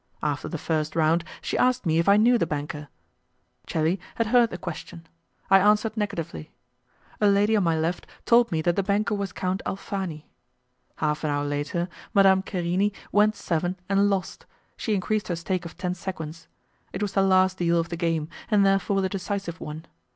After the first round, she asked me if I knew the banker; Celi had heard the question; I answered negatively. A lady on my left told me that the banker was Count Alfani. Half an hour later, Madame Querini went seven and lost, she increased her stake of ten sequins; it was the last deal of the game, and therefore the decisive one.